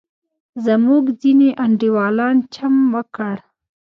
زموږ ځینې انډیوالان چم وکړ.